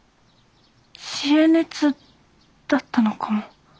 知恵熱だったのかも。